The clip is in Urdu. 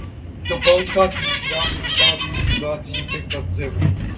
دبنگ کا تیسرا حصہ بھی سوناکشی کے قبضے میں